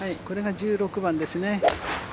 これが１６番ですね。